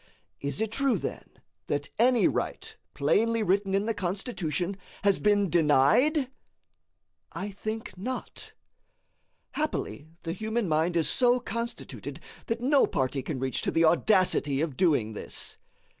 Is it true, then, that any right, plainly written in the Constitution, has been denied? I think not. Happily the human mind is so constituted that no party can reach to the audacity of doing this.